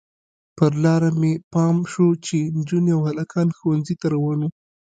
پر لاره مې پام شو چې نجونې او هلکان ښوونځیو ته روان وو.